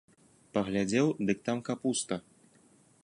Паглядзеў, дык там капуста.